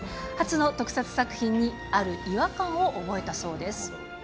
初の特撮作品にある違和感を覚えたそうです。